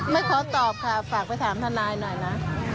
ไม่ขอตอบค่ะฝากไปถามทนายหน่อยนะ